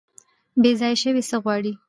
بیځایه شوي څه غواړي؟